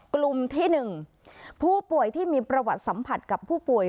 กลุ่มที่๑ผู้ป่วยที่มีประวัติสัมผัสกับผู้ป่วย